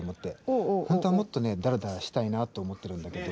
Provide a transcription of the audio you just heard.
本当はもっとだらだらしたいなと思ってるんだけど。